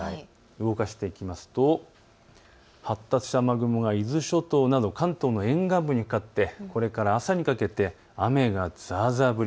動かしていきますと発達した雨雲が伊豆諸島など関東の沿岸部にかかってこれから朝にかけて雨がざーざー降り。